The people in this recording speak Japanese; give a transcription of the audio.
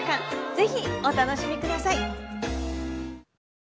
是非お楽しみください。